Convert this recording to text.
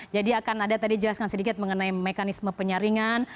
jadi akan ada tadi jelaskan sedikit mengenai mekanisme penyaringan